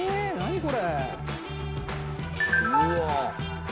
これ。